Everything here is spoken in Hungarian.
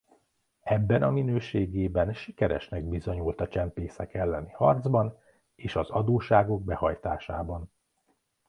Ebben a minőségében sikeresnek bizonyult a csempészek elleni harcban és az adósságok behajtásában.